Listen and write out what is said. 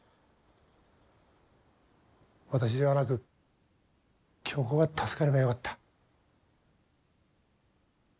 私ではなく恭子が助かればよかった。